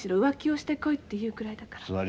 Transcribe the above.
「浮気をしてこい」って言うくらいだから。